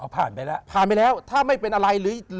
ผ่านไปแล้วถ้าไม่เป็นอะไร